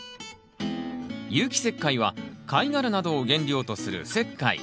有機石灰は貝殻などを原料とする石灰。